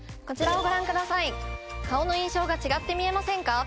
こちらをご覧ください顔の印象が違って見えませんか？